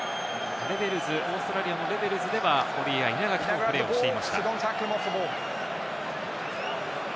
オーストラリアのレベルズでは、堀江、稲垣とプレーをしていました。